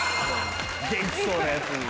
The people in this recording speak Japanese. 元気そうな奴に。